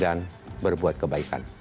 dan berbuat kebaikan